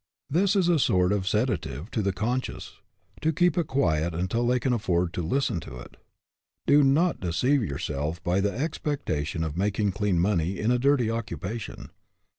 This is a sort of sedative to the conscience to keep it quiet until they can afford to listen to it. Do not deceive yourself by the expectation of making clean money in a dirty occupation.